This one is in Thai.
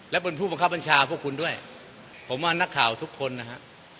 และเป็นผู้บังคับบัญชาพวกคุณด้วยผมว่านักข่าวทุกคนนะฮะ